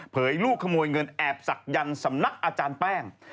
ลูกขโมยเงินแอบศักยันต์สำนักอาจารย์แป้ง